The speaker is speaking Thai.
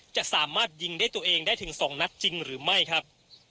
จะสามารถยิงได้ตัวเองได้ถึง๒นัดจริงหรือไม่ครับ